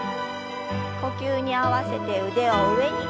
呼吸に合わせて腕を上に。